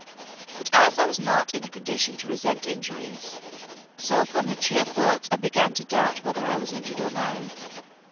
But as I was not in a condition to resent injuries, so upon mature thoughts I began to doubt whether I was injured or no.